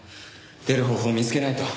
出る方法を見つけないと。